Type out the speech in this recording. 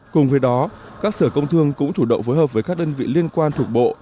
cùng với đó các sở công thương cũng chủ động phối hợp với các đơn vị liên quan thuộc bộ